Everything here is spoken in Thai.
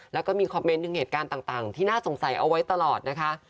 แล้วก็มีคอมเมนต์ถึงเหตุการณ์ต่างที่น่าสงสัยเอาไว้ตลอดนะคะ